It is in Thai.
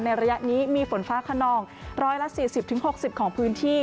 ระยะนี้มีฝนฟ้าขนอง๑๔๐๖๐ของพื้นที่